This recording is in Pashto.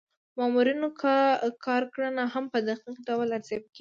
د مامورینو کارکړنه هم په دقیق ډول ارزیابي کیږي.